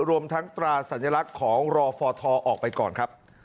รวมทั้งตราสัญลักษณ์ของรอฟทออกไปก่อนครับ